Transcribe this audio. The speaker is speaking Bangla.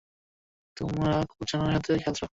তোমরা কুকুরছানার সাথে খেলছো?